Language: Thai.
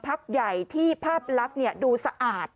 พักใหญ่ที่ภาพลักษณ์ดูสะอาด